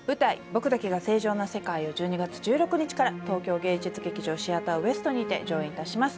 『僕だけが正常な世界』を１２月１６日から東京芸術劇場シアターウエストにて上演いたします。